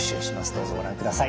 どうぞご覧ください。